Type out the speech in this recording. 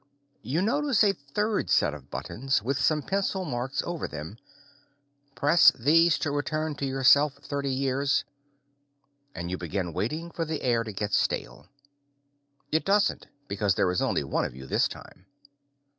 You notice a third set of buttons, with some pencil marks over them "Press these to return to yourself 30 years" and you begin waiting for the air to get stale. It doesn't because there is only one of you this time.